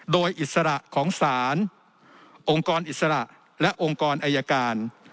โดยอิสระของศาลองค์กรอิสระและองค์กรอายการ